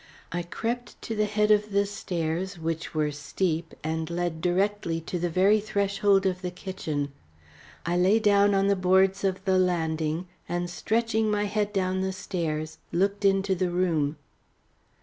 I crept to the head of the stairs which were steep and led directly to the very threshold of the kitchen. I lay down on the boards of the landing and stretching my head down the stairs, looked into the room.